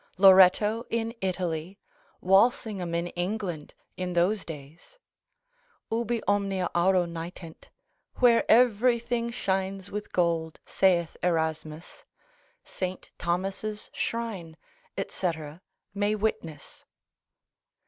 Loretto in Italy, Walsingham in England, in those days. Ubi omnia auro nitent, where everything shines with gold, saith Erasmus, St. Thomas's shrine, &c., may witness.